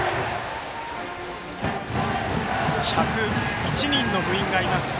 １０１人の部員がいます。